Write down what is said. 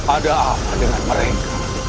ada apa dengan mereka